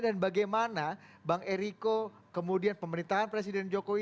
dan bagaimana bang eriko kemudian pemerintahan presiden jokowi